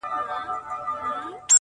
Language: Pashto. موږ نه پوهیږو چي رباب -